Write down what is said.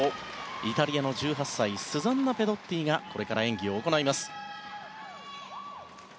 イタリアの１８歳スザンナ・ペドッティがこれから演技を行います。